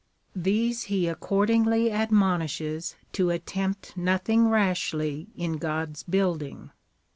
These he accordingly admonishes to attempt nothing rashly in God's building.